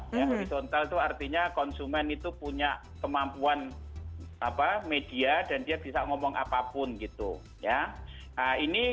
horizontal itu artinya konsumen itu punya kemampuan media dan dia bisa ngomong apapun